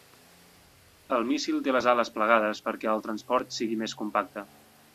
El míssil té les ales plegades perquè el transport sigui més compacte.